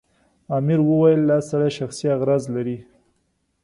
امیر وویل دا سړی شخصي اغراض لري.